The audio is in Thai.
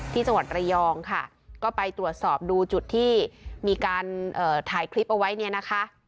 ที่จังหวัดระยองค่ะก็ไปตรวจสอบดูจุดที่มีการถ่ายคลิปเอาไว้เนี่ยนะคะ